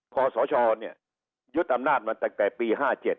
พศเนี่ยยึดอำนาจมาตั้งแต่ปี๕๗